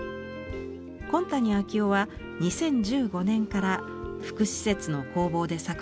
紺谷彰男は２０１５年から福祉施設の工房で作陶を始めました。